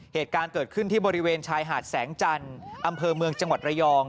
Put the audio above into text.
เหตุการณ์เกิดขึ้นที่บริเวณชายหาดแสงจันทร์อำเภอเมืองจังหวัดระยอง